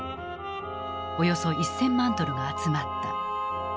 およそ１，０００万ドルが集まった。